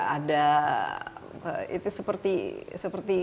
ada itu seperti